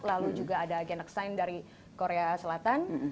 lalu juga ada genekstein dari korea selatan